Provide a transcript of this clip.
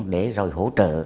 để rồi hỗ trợ